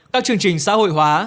các chương trình xã hội hóa